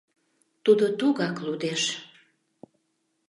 Тудо тугак лудеш.